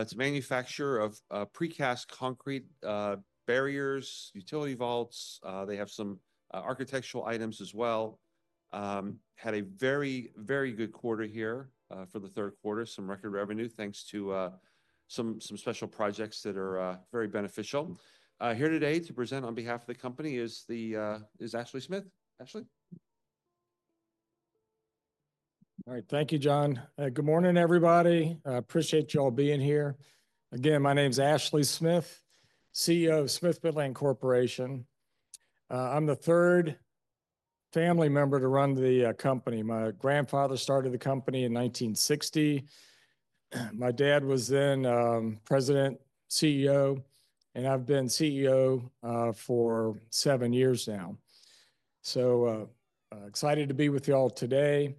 It's a manufacturer of precast concrete barriers, utility vaults. They have some architectural items as well. Had a very, very good quarter here for the third quarter, some record revenue thanks to some special projects that are very beneficial. Here today to present on behalf of the company is Ashley Smith. Ashley? All right. Thank you, John. Good morning, everybody. Appreciate y'all being here. Again, my name's Ashley Smith, CEO of Smith-Midland Corporation. I'm the third family member to run the company. My grandfather started the company in 1960. My dad was then president, CEO, and I've been CEO for seven years now. So excited to be with y'all today.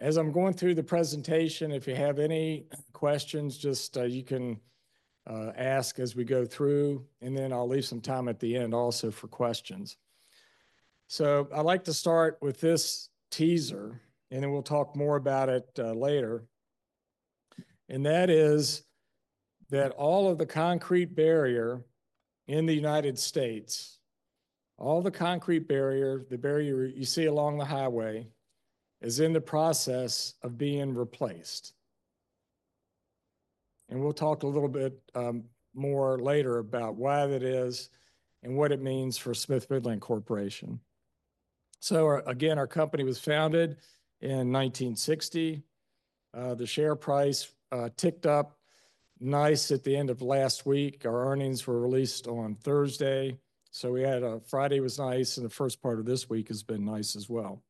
As I'm going through the presentation, if you have any questions, just, you can ask as we go through, and then I'll leave some time at the end also for questions. So I'd like to start with this teaser, and then we'll talk more about it later. And that is that all of the concrete barrier in the United States, all the concrete barrier, the barrier you see along the highway, is in the process of being replaced. And we'll talk a little bit more later about why that is and what it means for Smith-Midland Corporation. So again, our company was founded in 1960. The share price ticked up nice at the end of last week. Our earnings were released on Thursday. So we had a Friday was nice, and the first part of this week has been nice as well.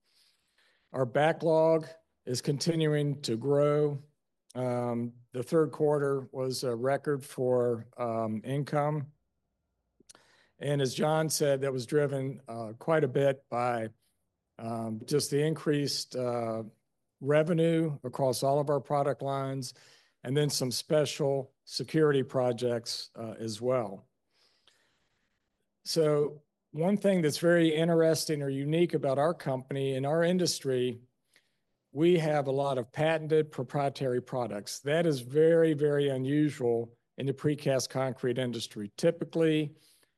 Our backlog is continuing to grow. The third quarter was a record for income. And as John said, that was driven quite a bit by just the increased revenue across all of our product lines and then some special security projects as well. So one thing that's very interesting or unique about our company and our industry, we have a lot of patented proprietary products. That is very, very unusual in the precast concrete industry. Typically,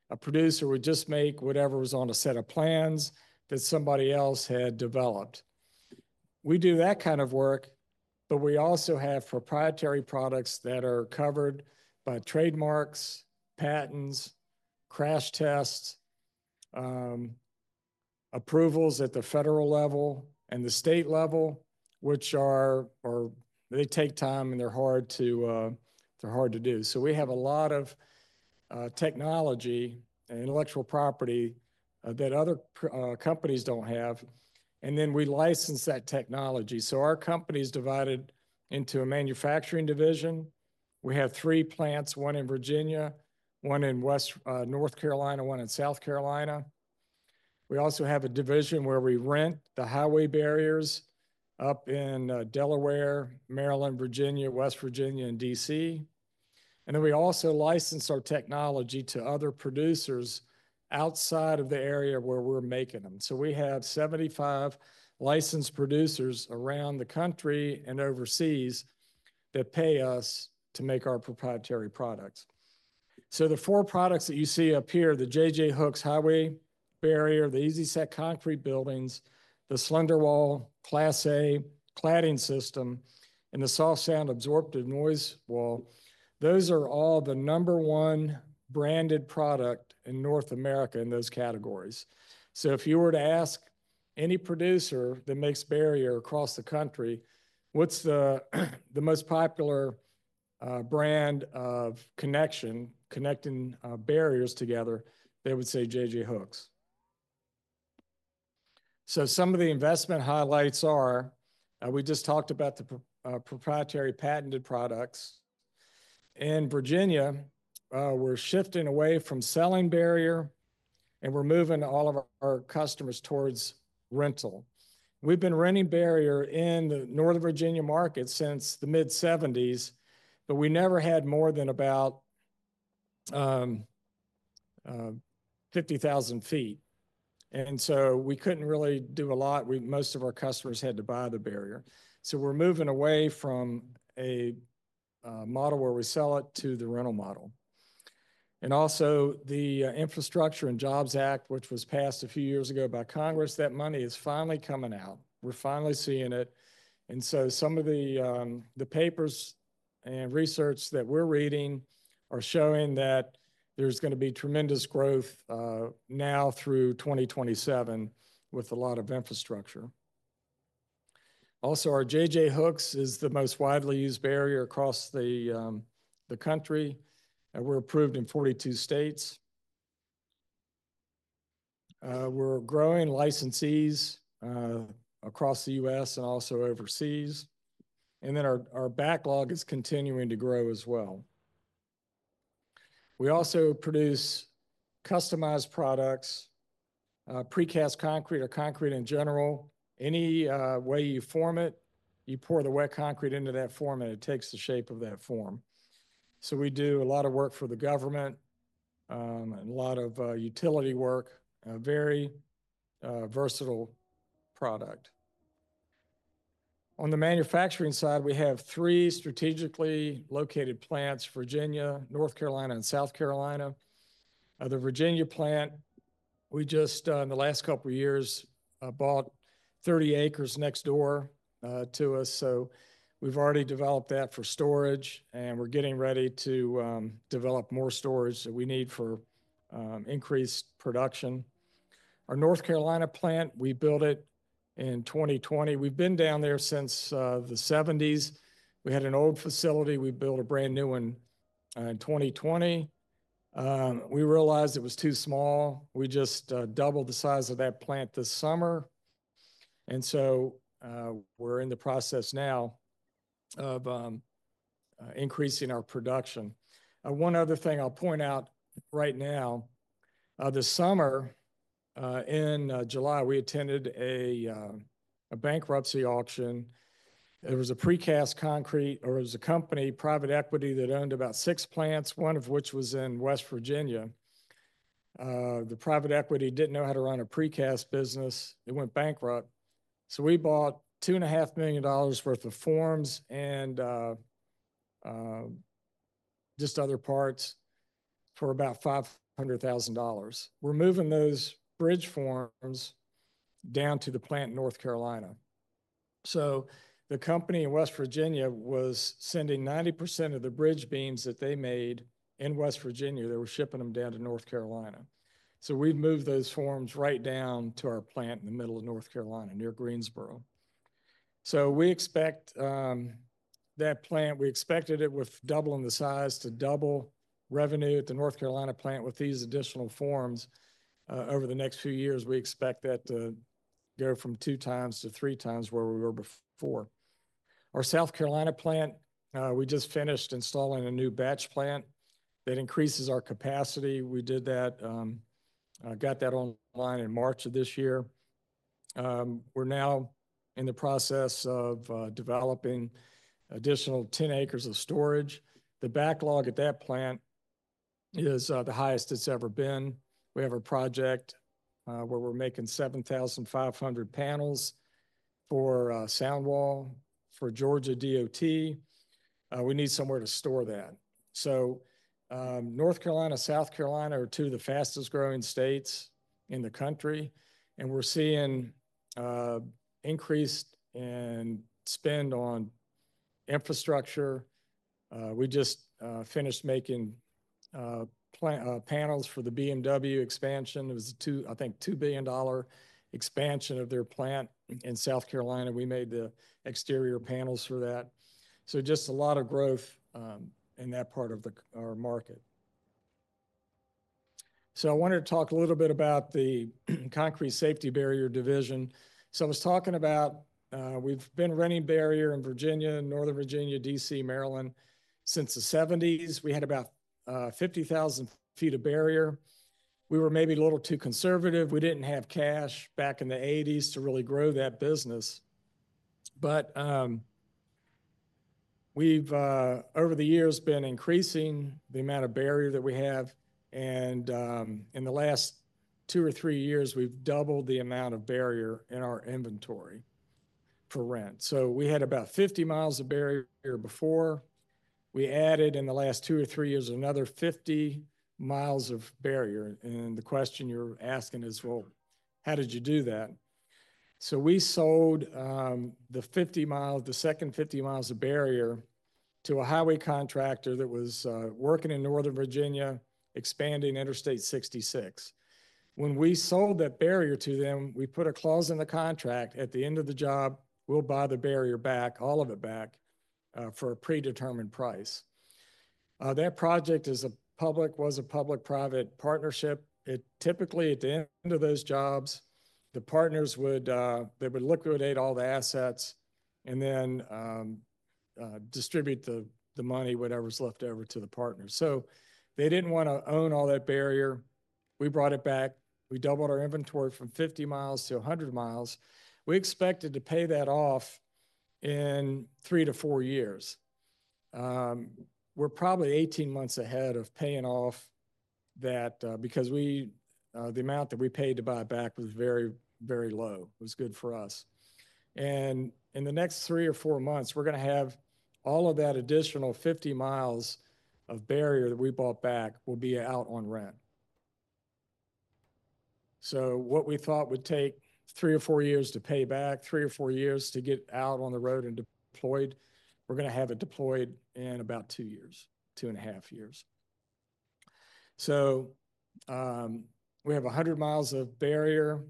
a producer would just make whatever was on a set of plans that somebody else had developed. We do that kind of work, but we also have proprietary products that are covered by trademarks, patents, crash tests, approvals at the federal level and the state level, which they take time and they're hard to do. So we have a lot of technology and intellectual property that other companies don't have, and then we license that technology, so our company is divided into a manufacturing division. We have three plants, one in Virginia, one in North Carolina, one in South Carolina. We also have a division where we rent the highway barriers up in Delaware, Maryland, Virginia, West Virginia, and DC, and then we also license our technology to other producers outside of the area where we're making them. We have 75 licensed producers around the country and overseas that pay us to make our proprietary products. The four products that you see up here, the J-J Hooks highway barrier, the Easi-Set concrete buildings, the SlenderWall Class A cladding system, and the SoftSound absorptive noise wall, those are all the number one branded product in North America in those categories. If you were to ask any producer that makes barrier across the country, what's the most popular brand of connection, connecting barriers together, they would say J-J Hooks. Some of the investment highlights are, we just talked about the proprietary patented products. In Virginia, we're shifting away from selling barrier and we're moving all of our customers towards rental. We've been renting barrier in the Northern Virginia market since the mid-70s, but we never had more than about 50,000 ft. We couldn't really do a lot. Most of our customers had to buy the barrier. We're moving away from a model where we sell it to the rental model. The Infrastructure and Jobs Act, which was passed a few years ago by Congress, that money is finally coming out. We're finally seeing it. Some of the papers and research that we're reading are showing that there's going to be tremendous growth now through 2027 with a lot of infrastructure. Our J-J Hooks is the most widely used barrier across the country. We're approved in 42 states. We're growing licensees across the U.S. and also overseas. Our backlog is continuing to grow as well. We also produce customized products, precast concrete or concrete in general. Any way you form it, you pour the wet concrete into that form and it takes the shape of that form. So we do a lot of work for the government and a lot of utility work. Very versatile product. On the manufacturing side, we have three strategically located plants, Virginia, North Carolina, and South Carolina. The Virginia plant, we just in the last couple of years bought 30 acres next door to us. So we've already developed that for storage and we're getting ready to develop more storage that we need for increased production. Our North Carolina plant, we built it in 2020. We've been down there since the 1970s. We had an old facility. We built a brand new one in 2020. We realized it was too small. We just doubled the size of that plant this summer. And so we're in the process now of increasing our production. One other thing I'll point out right now, this summer in July, we attended a bankruptcy auction. It was a precast concrete or it was a company, private equity that owned about six plants, one of which was in West Virginia. The private equity didn't know how to run a precast business. It went bankrupt. So we bought $2.5 million worth of forms and just other parts for about $500,000. We're moving those bridge forms down to the plant in North Carolina. So the company in West Virginia was sending 90% of the bridge beams that they made in West Virginia. They were shipping them down to North Carolina. So we've moved those forms right down to our plant in the middle of North Carolina near Greensboro. So we expect that plant. We expected it with doubling the size to double revenue at the North Carolina plant with these additional forms. Over the next few years, we expect that to go from two times to three times where we were before. Our South Carolina plant, we just finished installing a new batch plant that increases our capacity. We did that, got that online in March of this year. We're now in the process of developing additional 10 acres of storage. The backlog at that plant is the highest it's ever been. We have a project where we're making 7,500 panels for sound wall for Georgia DOT. We need somewhere to store that. So North Carolina, South Carolina are two of the fastest growing states in the country. And we're seeing increase in spend on infrastructure. We just finished making panels for the BMW expansion. It was a two, I think, $2 billion expansion of their plant in South Carolina. We made the exterior panels for that, so just a lot of growth in that part of our market. I wanted to talk a little bit about the concrete safety barrier division, so I was talking about we've been renting barrier in Virginia, Northern Virginia, DC, Maryland since the 70s. We had about 50,000 ft of barrier. We were maybe a little too conservative. We didn't have cash back in the 1980s to really grow that business, but we've, over the years, been increasing the amount of barrier that we have, and in the last two or three years, we've doubled the amount of barrier in our inventory for rent. We had about 50 mi of barrier before, so we added in the last two or three years another 50 mi of barrier. And the question you're asking is, well, how did you do that? So we sold the second 50 mi of barrier to a highway contractor that was working in Northern Virginia, expanding Interstate 66. When we sold that barrier to them, we put a clause in the contract at the end of the job, we'll buy the barrier back, all of it back for a predetermined price. That project was a public-private partnership. Typically, at the end of those jobs, the partners would liquidate all the assets and then distribute the money, whatever's left over to the partners. So they didn't want to own all that barrier. We brought it back. We doubled our inventory from 50 mi to 100 mi. We expected to pay that off in three to four years. We're probably 18 months ahead of paying off that because the amount that we paid to buy it back was very, very low. It was good for us. And in the next three or four months, we're going to have all of that additional 50 mi of barrier that we bought back, will be out on rent. So what we thought would take three or four years to pay back, three or four years to get out on the road and deployed, we're going to have it deployed in about two years, two and a half years. So we have 100 mi of barrier.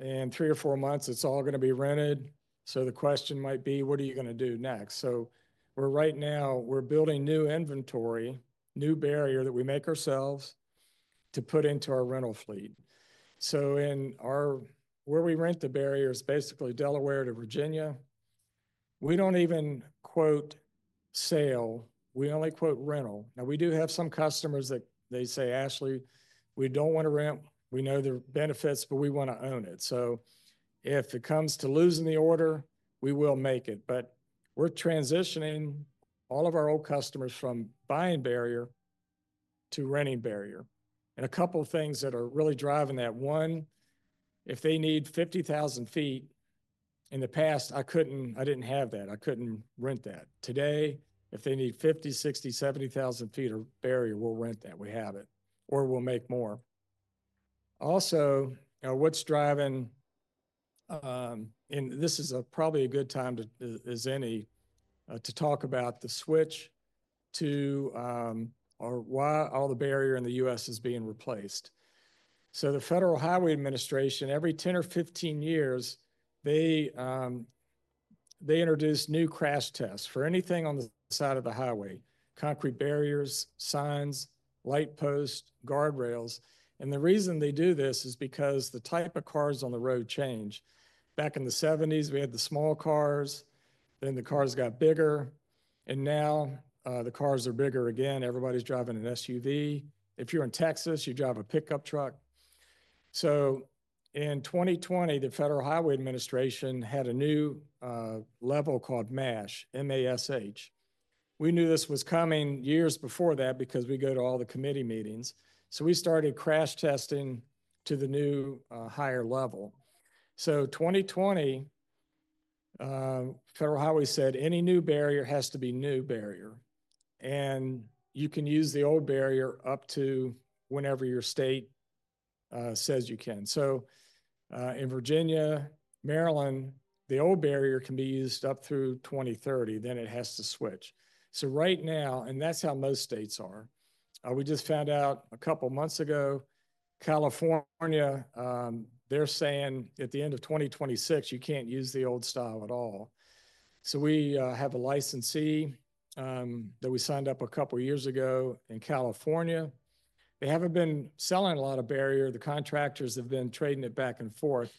In three or four months, it's all going to be rented. So the question might be, what are you going to do next? So right now, we're building new inventory, new barrier that we make ourselves to put into our rental fleet. Where we rent the barrier is basically Delaware to Virginia. We don't even quote sale. We only quote rental. Now, we do have some customers that they say, "Ashley, we don't want to rent. We know the benefits, but we want to own it." So if it comes to losing the order, we will make it. But we're transitioning all of our old customers from buying barrier to renting barrier. A couple of things that are really driving that. One, if they need 50,000 ft, in the past, I didn't have that. I couldn't rent that. Today, if they need 50,000, 60,000, 70,000 ft of barrier, we'll rent that. We have it or we'll make more. Also, what's driving, and this is probably a good time, as any, to talk about the switch to why all the barrier in the U.S. is being replaced. The Federal Highway Administration, every 10 or 15 years, introduces new crash tests for anything on the side of the highway, concrete barriers, signs, light posts, guardrails. The reason they do this is because the type of cars on the road change. Back in the 1970s, we had the small cars. Then the cars got bigger. Now the cars are bigger again. Everybody's driving an SUV. If you're in Texas, you drive a pickup truck. In 2020, the Federal Highway Administration had a new level called MASH, M-A-S-H. We knew this was coming years before that because we go to all the committee meetings. We started crash testing to the new higher level. In 2020, Federal Highway said any new barrier has to be new barrier. You can use the old barrier up to whenever your state says you can. So in Virginia, Maryland, the old barrier can be used up through 2030. Then it has to switch. So right now, and that's how most states are. We just found out a couple of months ago. California, they're saying at the end of 2026, you can't use the old style at all. So we have a licensee that we signed up a couple of years ago in California. They haven't been selling a lot of barrier. The contractors have been trading it back and forth.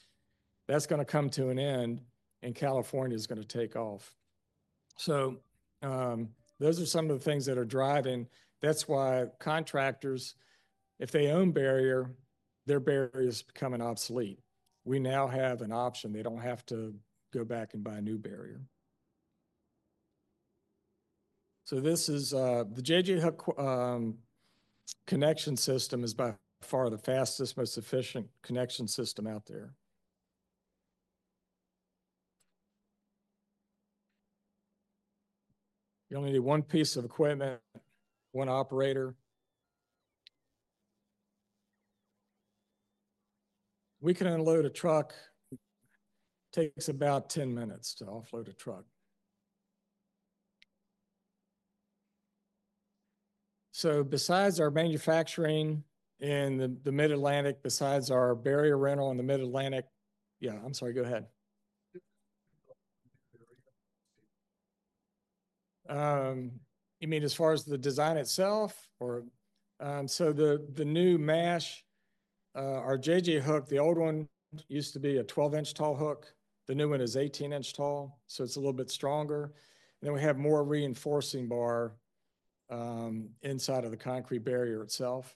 That's going to come to an end, and California is going to take off. So those are some of the things that are driving. That's why contractors, if they own barrier, their barrier is becoming obsolete. We now have an option. They don't have to go back and buy a new barrier. So the J-J Hook connection system is by far the fastest, most efficient connection system out there. You only need one piece of equipment, one operator. We can unload a truck. It takes about 10 minutes to offload a truck. So besides our manufacturing in the Mid-Atlantic, besides our barrier rental in the Mid-Atlantic, yeah, I'm sorry, go ahead. You mean as far as the design itself? So the new MASH, our J-J Hook, the old one used to be a 12-inch tall hook. The new one is 18-inch tall, so it's a little bit stronger. And then we have more reinforcing bar inside of the concrete barrier itself.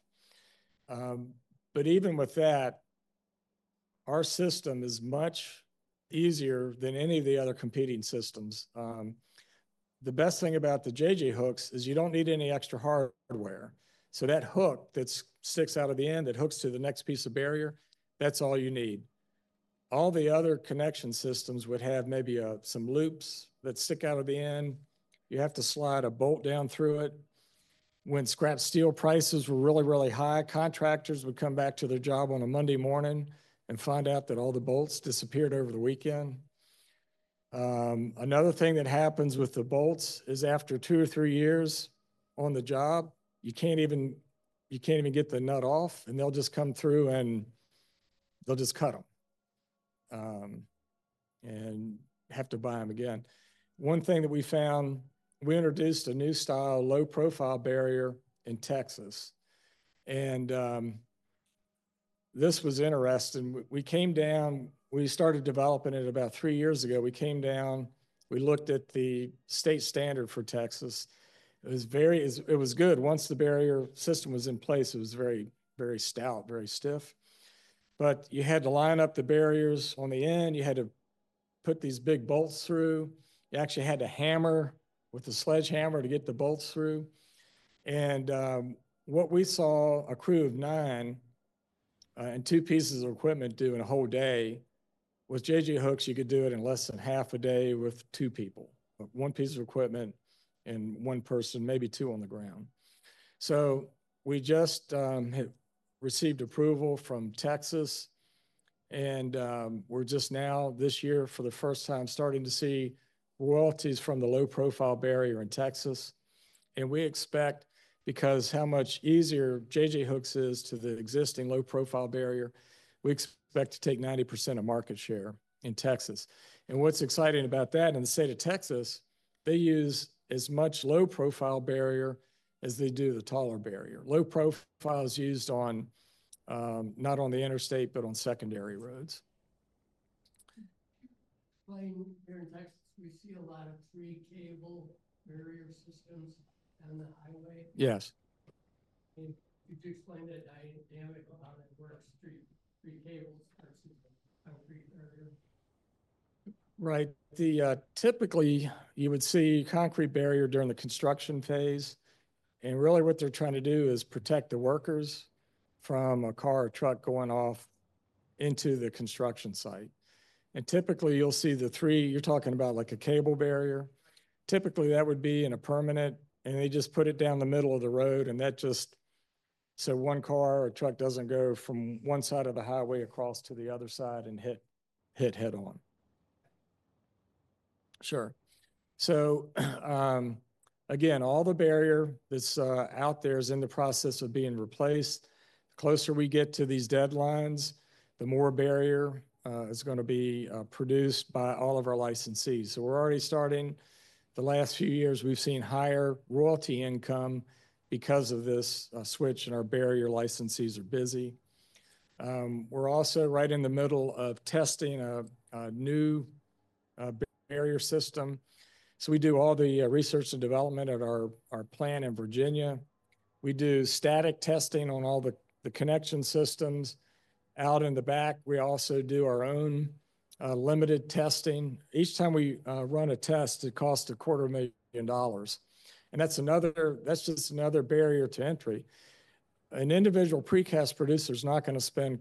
But even with that, our system is much easier than any of the other competing systems. The best thing about the J-J Hooks is you don't need any extra hardware. So that hook that sticks out of the end, that hooks to the next piece of barrier, that's all you need. All the other connection systems would have maybe some loops that stick out of the end. You have to slide a bolt down through it. When scrap steel prices were really, really high, contractors would come back to their job on a Monday morning and find out that all the bolts disappeared over the weekend. Another thing that happens with the bolts is after two or three years on the job, you can't even get the nut off, and they'll just come through and they'll just cut them and have to buy them again. One thing that we found, we introduced a new style low-profile barrier in Texas. And this was interesting. We started developing it about three years ago. We came down, we looked at the state standard for Texas. It was good. Once the barrier system was in place, it was very stout, very stiff. But you had to line up the barriers on the end. You had to put these big bolts through. You actually had to hammer with a sledge hammer to get the bolts through. And what we saw, a crew of nine and two pieces of equipment do in a whole day with J-J Hooks, you could do it in less than half a day with two people, one piece of equipment and one person, maybe two on the ground. So we just received approval from Texas. And we're just now, this year, for the first time, starting to see royalties from the low-profile barrier in Texas. We expect, because how much easier J-J Hooks is to the existing low-profile barrier, we expect to take 90% of market share in Texas. What's exciting about that, in the state of Texas, they use as much low-profile barrier as they do the taller barrier. Low-profile is used not on the interstate, but on secondary roads. Here in Texas, we see a lot of three-cable barrier systems on the highway. Yes. Could you explain that dynamic of how that works, three cables versus concrete barrier? Right. Typically, you would see concrete barrier during the construction phase. And really, what they're trying to do is protect the workers from a car or truck going off into the construction site. And typically, you'll see the three. You're talking about like a cable barrier. Typically, that would be in a permanent, and they just put it down the middle of the road. And that just so one car or truck doesn't go from one side of the highway across to the other side and hit head-on. Sure. So again, all the barrier that's out there is in the process of being replaced. The closer we get to these deadlines, the more barrier is going to be produced by all of our licensees. So we're already starting. The last few years, we've seen higher royalty income because of this switch, and our barrier licensees are busy. We're also right in the middle of testing a new barrier system, so we do all the research and development at our plant in Virginia. We do static testing on all the connection systems. Out in the back, we also do our own limited testing. Each time we run a test, it costs $250,000, and that's just another barrier to entry. An individual precast producer is not going to spend.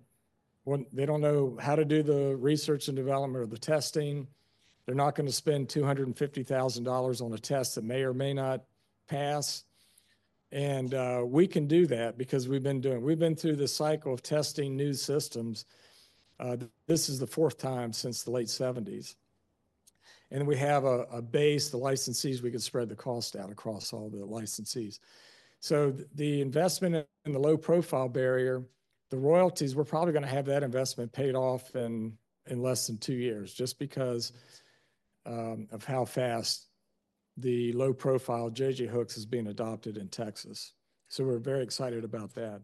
They don't know how to do the research and development or the testing. They're not going to spend $250,000 on a test that may or may not pass, and we can do that because we've been through the cycle of testing new systems. This is the fourth time since the late 1970s, and we have a base, the licensees. We can spread the cost out across all the licensees. So the investment in the low-profile barrier, the royalties, we're probably going to have that investment paid off in less than two years just because of how fast the low-profile J-J Hooks is being adopted in Texas. So we're very excited about that.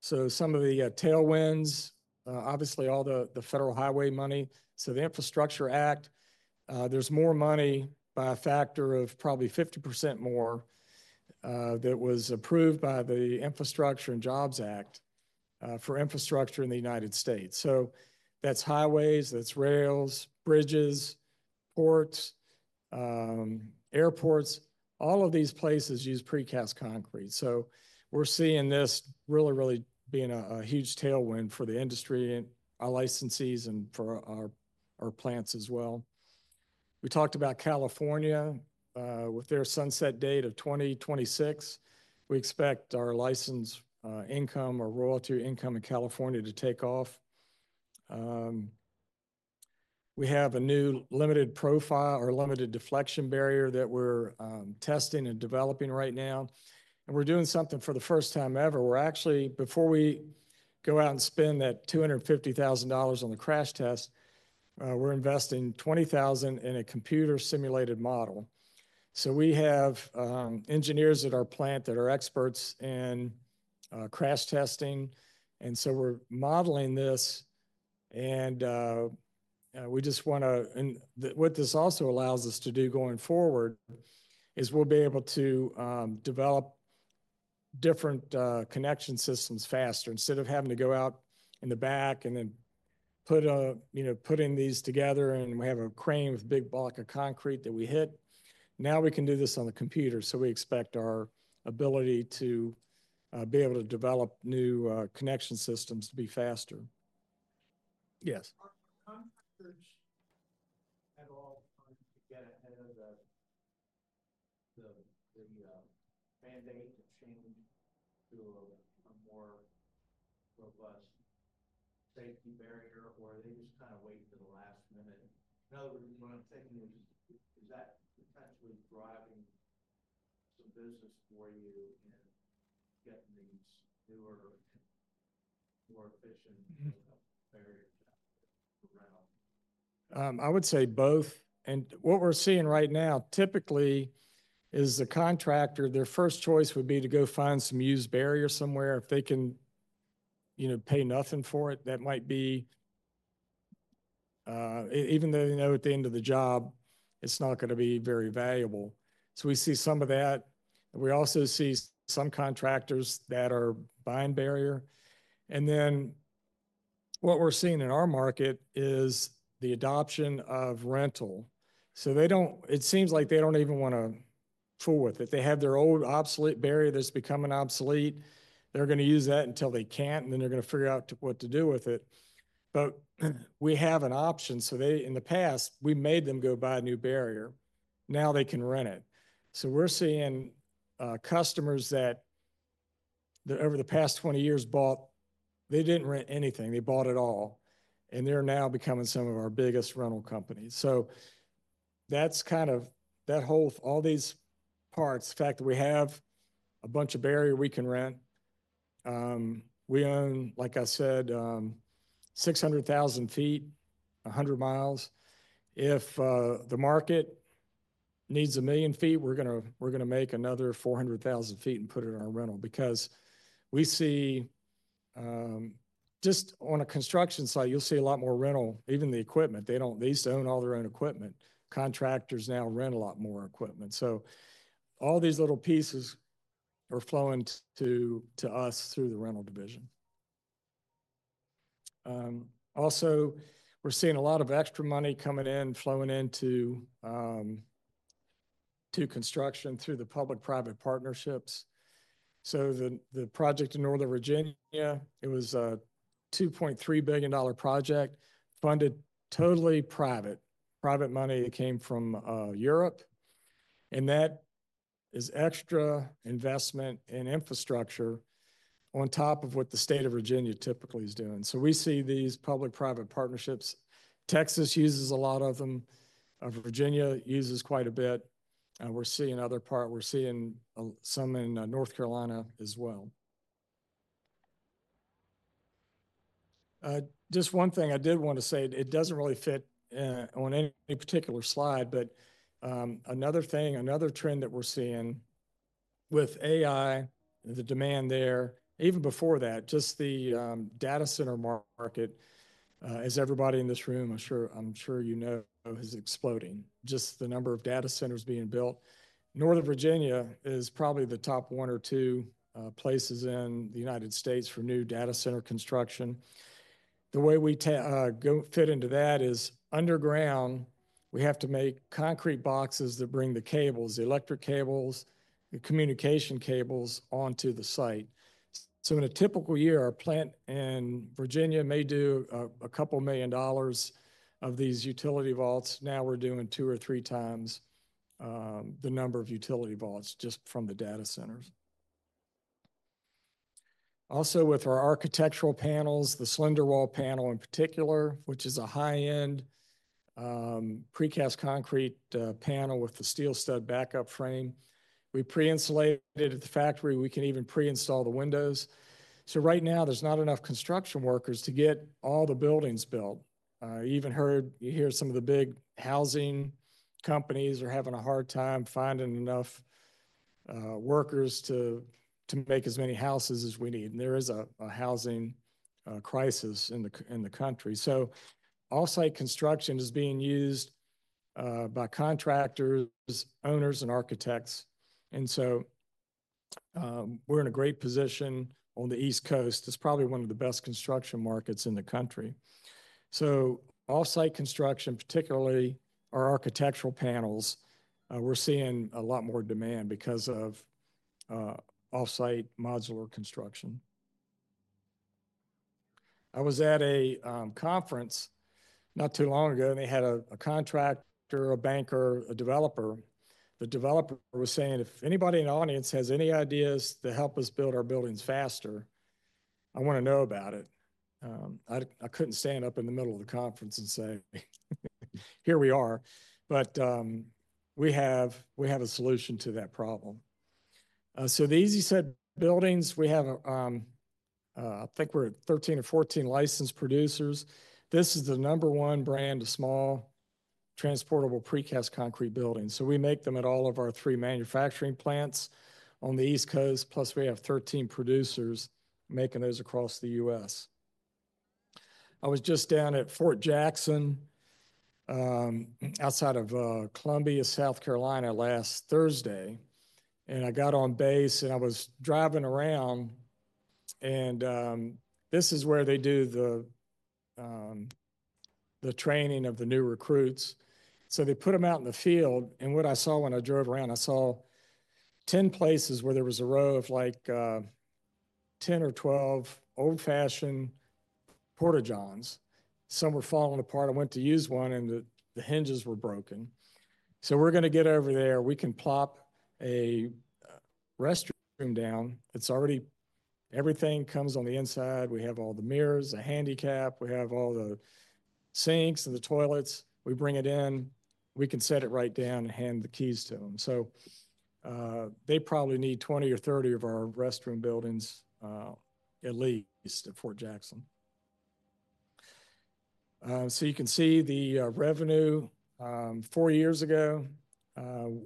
So some of the tailwinds, obviously, all the federal highway money. So the Infrastructure Act, there's more money by a factor of probably 50% more that was approved by the Infrastructure and Jobs Act for infrastructure in the United States. So that's highways, that's rails, bridges, ports, airports. All of these places use precast concrete. So we're seeing this really, really being a huge tailwind for the industry, our licensees, and for our plants as well. We talked about California. With their sunset date of 2026, we expect our license income or royalty income in California to take off. We have a new low-profile or limited deflection barrier that we're testing and developing right now, and we're doing something for the first time ever. We're actually, before we go out and spend that $250,000 on the crash test, investing $20,000 in a computer-simulated model, so we have engineers at our plant that are experts in crash testing, and so we're modeling this, and what this also allows us to do going forward is we'll be able to develop different connection systems faster. Instead of having to go out in the back and then put in these together and we have a crane with a big block of concrete that we hit, now we can do this on the computer, so we expect our ability to be able to develop new connection systems to be faster. Yes. Are contractors at all trying to get ahead of the mandate to change to a more robust safety barrier, or are they just kind of waiting for the last minute? In other words, what I'm thinking is, that potentially driving some business for you in getting these newer, more efficient barriers around? I would say both, and what we're seeing right now, typically, is the contractor, their first choice would be to go find some used barrier somewhere. If they can pay nothing for it, that might be, even though they know at the end of the job, it's not going to be very valuable, so we see some of that. We also see some contractors that are buying barrier, and then what we're seeing in our market is the adoption of rental, so it seems like they don't even want to fool with it. They have their old obsolete barrier that's becoming obsolete. They're going to use that until they can't, and then they're going to figure out what to do with it, but we have an option, so in the past, we made them go buy a new barrier. Now they can rent it. So we're seeing customers that over the past 20 years bought. They didn't rent anything. They bought it all. And they're now becoming some of our biggest rental companies. So that's kind of all these parts, the fact that we have a bunch of barrier we can rent. We own, like I said, 600,000 ft, 100 mi. If the market needs a million feet, we're going to make another 400,000 ft and put it on rental because we see just on a construction site, you'll see a lot more rental, even the equipment. They used to own all their own equipment. Contractors now rent a lot more equipment. So all these little pieces are flowing to us through the rental division. Also, we're seeing a lot of extra money coming in, flowing into construction through the public-private partnerships. So the project in Northern Virginia. It was a $2.3 billion project funded totally private, private money that came from Europe. And that is extra investment in infrastructure on top of what the state of Virginia typically is doing. So we see these public-private partnerships. Texas uses a lot of them. Virginia uses quite a bit. We're seeing other parts. We're seeing some in North Carolina as well. Just one thing I did want to say, it doesn't really fit on any particular slide, but another thing, another trend that we're seeing with AI, the demand there, even before that, just the data center market, as everybody in this room, I'm sure you know, is exploding. Just the number of data centers being built. Northern Virginia is probably the top one or two places in the United States for new data center construction. The way we fit into that is underground, we have to make concrete boxes that bring the cables, the electric cables, the communication cables onto the site, so in a typical year, our plant in Virginia may do $2 million of these utility vaults. Now we're doing two or three times the number of utility vaults just from the data centers. Also, with our architectural panels, the SlenderWall panel in particular, which is a high-end precast concrete panel with the steel stud backup frame. We pre-insulated at the factory. We can even pre-install the windows, so right now, there's not enough construction workers to get all the buildings built. You even heard some of the big housing companies are having a hard time finding enough workers to make as many houses as we need, and there is a housing crisis in the country. So off-site construction is being used by contractors, owners, and architects. And so we're in a great position on the East Coast. It's probably one of the best construction markets in the country. So off-site construction, particularly our architectural panels, we're seeing a lot more demand because of off-site modular construction. I was at a conference not too long ago, and they had a contractor, a banker, a developer. The developer was saying, "If anybody in the audience has any ideas to help us build our buildings faster, I want to know about it." I couldn't stand up in the middle of the conference and say, "Here we are." But we have a solution to that problem. So the Easi-Set buildings, we have, I think we're at 13 or 14 licensed producers. This is the number one brand of small transportable precast concrete buildings. So we make them at all of our three manufacturing plants on the East Coast, plus we have 13 producers making those across the U.S. I was just down at Fort Jackson outside of Columbia, South Carolina, last Thursday, and I got on base, and I was driving around, and this is where they do the training of the new recruits, so they put them out in the field, and what I saw when I drove around, I saw 10 places where there was a row of like 10 or 12 old-fashioned Porta-Johns. Some were falling apart. I went to use one, and the hinges were broken, so we're going to get over there. We can plop a restroom down. Everything comes on the inside. We have all the mirrors, the handicap. We have all the sinks and the toilets. We bring it in. We can set it right down and hand the keys to them. So they probably need 20 or 30 of our restroom buildings, at least at Fort Jackson. So you can see the revenue. Four years ago,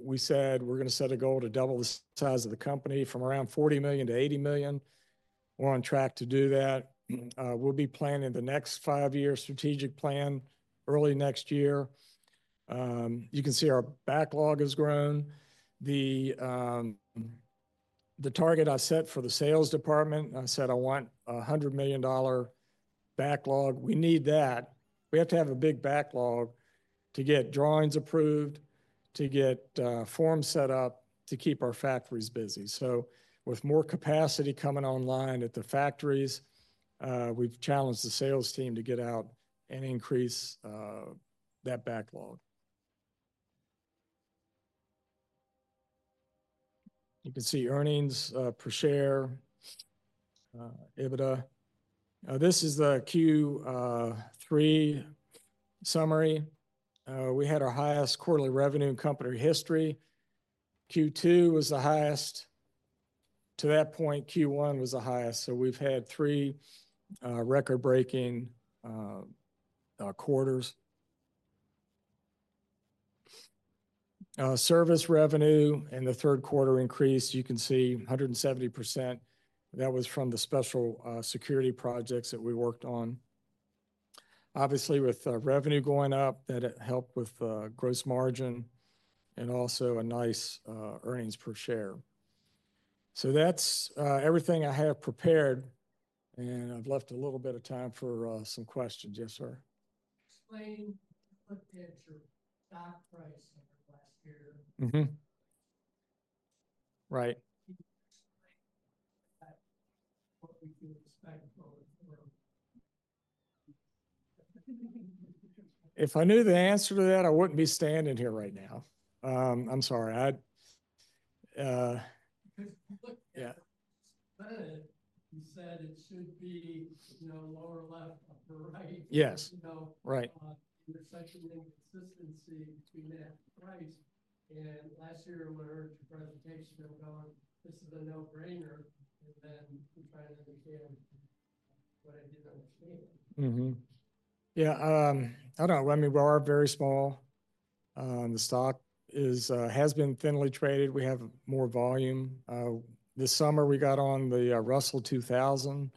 we said we're going to set a goal to double the size of the company from around $40 million to $80 million. We're on track to do that. We'll be planning the next five-year strategic plan early next year. You can see our backlog has grown. The target I set for the sales department, I said I want a $100 million backlog. We need that. We have to have a big backlog to get drawings approved, to get forms set up to keep our factories busy. So with more capacity coming online at the factories, we've challenged the sales team to get out and increase that backlog. You can see earnings per share, EBITDA. This is the Q3 summary. We had our highest quarterly revenue in company history. Q2 was the highest. To that point, Q1 was the highest. So we've had three record-breaking quarters. Service revenue in the third quarter increased. You can see 170%. That was from the special security projects that we worked on. Obviously, with revenue going up, that helped with the gross margin and also a nice earnings per share. So that's everything I have prepared, and I've left a little bit of time for some questions. Yes, sir. Explain what made your stock price last year? Right. What would you expect for? If I knew the answer to that, I wouldn't be standing here right now. I'm sorry. Because you said it should be lower left, upper right. Yes. Right. There's such an inconsistency between that price and last year, when I heard your presentation. I'm going, "This is a no-brainer," and then I'm trying to understand what I didn't understand. Yeah. I don't know. I mean, we are very small. The stock has been thinly traded. We have more volume. This summer, we got on the Russell 2000.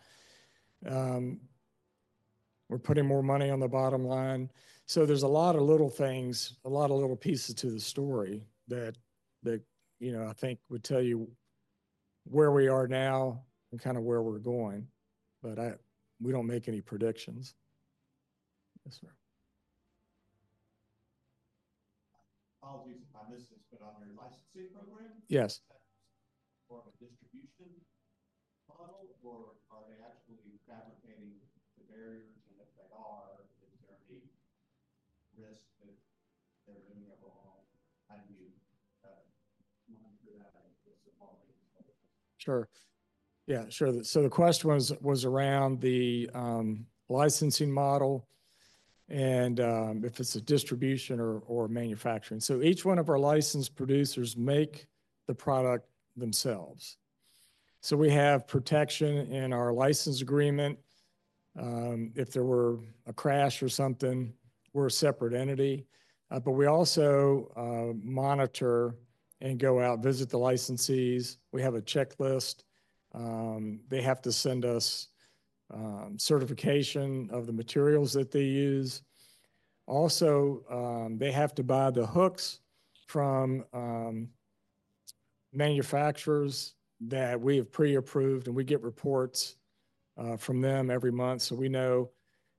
We're putting more money on the bottom line. So there's a lot of little things, a lot of little pieces to the story that I think would tell you where we are now and kind of where we're going. But we don't make any predictions. Yes, sir. Apologies if I missed this, but on your licensing program, is that more of a distribution model, or are they actually fabricating the barriers? And if they are, is there any risk that they're doing it wrong? How do you run through that? Sure. Yeah, sure. So the question was around the licensing model and if it's a distribution or manufacturing. So each one of our licensed producers makes the product themselves. So we have protection in our license agreement. If there were a crash or something, we're a separate entity. But we also monitor and go out, visit the licensees. We have a checklist. They have to send us certification of the materials that they use. Also, they have to buy the hooks from manufacturers that we have pre-approved. And we get reports from them every month. So we know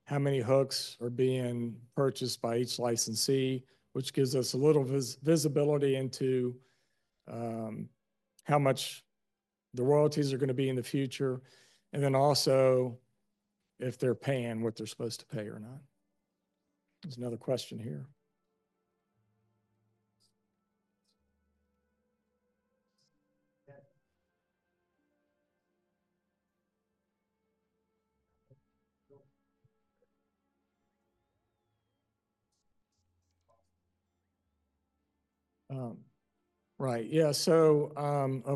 how many hooks are being purchased by each licensee, which gives us a little visibility into how much the royalties are going to be in the future. And then also, if they're paying what they're supposed to pay or not. There's another question here. Right. Yeah. Of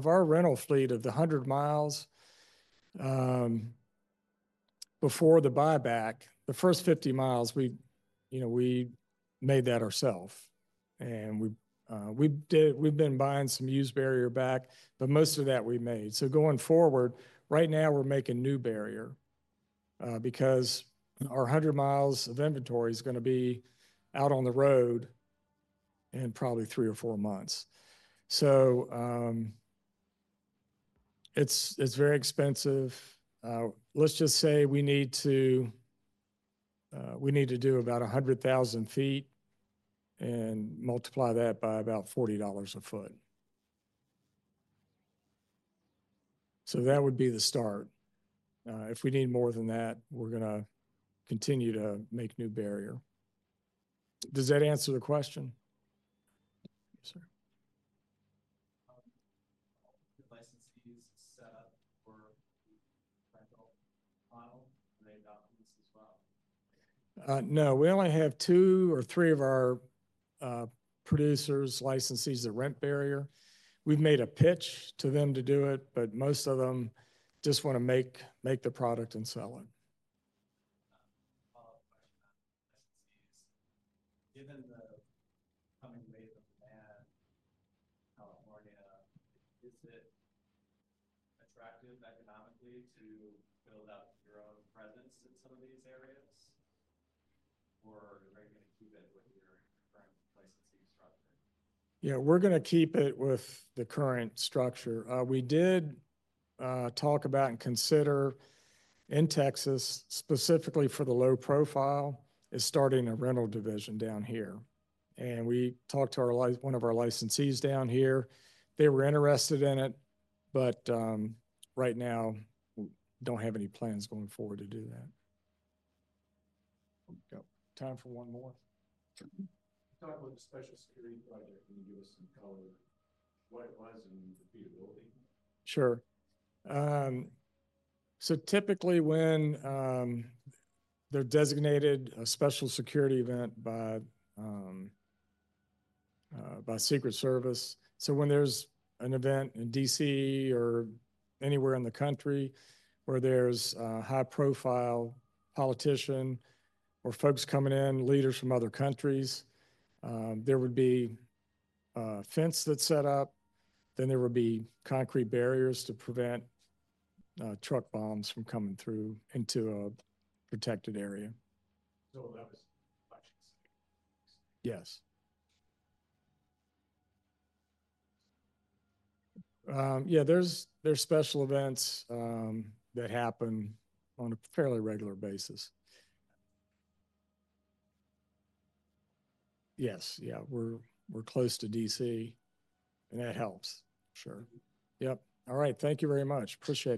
our rental fleet of the 100 mi, before the buyback, the first 50 mi, we made that ourselves. We've been buying some used barriers back, but most of that we made. Going forward, right now, we're making new barrier because our 100 mi of inventory is going to be out on the road in probably three or four months. It's very expensive. Let's just say we need to do about 100,000 ft and multiply that by about $40 a foot. That would be the start. If we need more than that, we're going to continue to make new barrier. Does that answer the question? Yes, sir. Are the licensees set up for rental model? Are they adopting this as well? No. We only have two or three of our producers' licensees that rent barrier. We've made a pitch to them to do it, but most of them just want to make the product and sell it. Follow-up question on licensees. Given the coming wave of demand in California, is it attractive economically to build up your own presence in some of these areas, or are you going to keep it with your current licensee structure? Yeah, we're going to keep it with the current structure. We did talk about and consider in Texas, specifically for the low profile, is starting a rental division down here. And we talked to one of our licensees down here. They were interested in it, but right now, we don't have any plans going forward to do that. Time for one more? Talk about the special security project. Can you give us some color of what it was and repeatability? Sure, so typically, when they're designated a special security event by Secret Service, so when there's an event in DC or anywhere in the country where there's a high-profile politician or folks coming in, leaders from other countries, there would be a fence that's set up, then there would be concrete barriers to prevent truck bombs from coming through into a protected area. So that was questions. Yes. Yeah, there's special events that happen on a fairly regular basis. Yes. Yeah. We're close to DC, and that helps. Sure. Yep. All right. Thank you very much. Appreciate it.